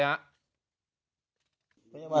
พระยาบาลเอาปืนไว้ป่าว